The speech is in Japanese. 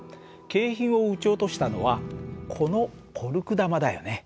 景品を撃ち落としたのはこのコルク弾だよね？